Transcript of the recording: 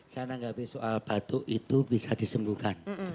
saya tanggapi soal batuk itu bisa disembuhkan